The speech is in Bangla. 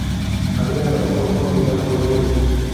আমি তার ওপর কোনো অবিচার করি নি।